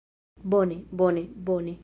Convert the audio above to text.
Bone... bone... bone...